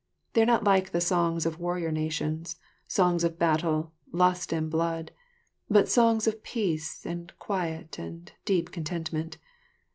They are not like the songs of warrior nations, songs of battle, lust and blood, but songs of peace and quiet and deep contentment.